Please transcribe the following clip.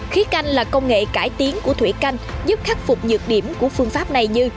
khí canh là công nghệ cải tiến của thủy canh giúp khắc phục nhược điểm của phương pháp này như